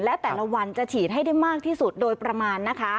และแต่ละวันจะฉีดให้ได้มากที่สุดโดยประมาณนะคะ